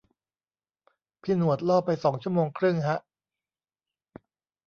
พี่หนวดล่อไปสองชั่วโมงครึ่งฮะ